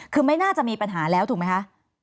คือไม่น่าจะมีปัญหาแล้วถูกไหมคะ